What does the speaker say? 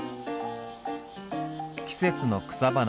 季節の草花。